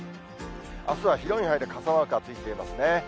あすは広い範囲で傘マークがついていますね。